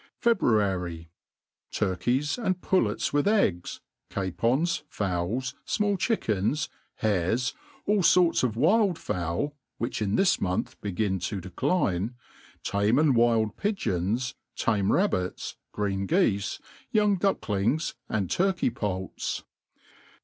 February. Turkey8,'and pullets with eggs, capons, fowk, fmall chickens, hares, all forts of wild fowl (which in thia jmontb begin to decline), tame and wild pigeons, tanie rabbits^ green geefe, young ducklings, and turkey ppults.